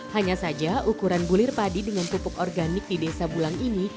hanya saja ukuran bulir padi dengan pupuk organik di desa bulang ini